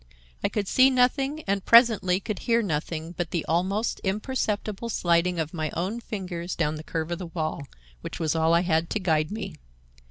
I could see nothing and presently could hear nothing but the almost imperceptible sliding of my own fingers down the curve of the wall, which was all I had to guide me.